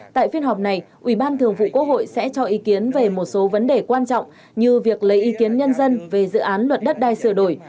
tại phiên họp này ủy ban thường vụ quốc hội sẽ cho ý kiến về một số vấn đề quan trọng như việc lấy ý kiến nhân dân về dự án luật đất đai sửa đổi